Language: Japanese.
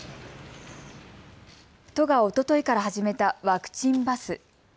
都がおとといから始めたワクチンバス。